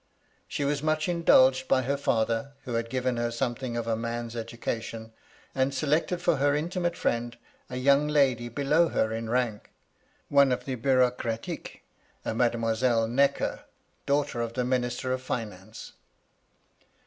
She was much indulged by her^ father, who had given her something of a man's MY LADY LUDLOW. 119 education, and selected for her intimate friend a young lady below her in rank, one of the Bureaucracie, a Mademoiselle Necker, daughter of the Minister of Finance.